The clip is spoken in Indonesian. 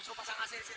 suruh pasang ac di sini